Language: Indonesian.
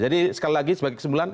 jadi sekali lagi sebagai kesembilan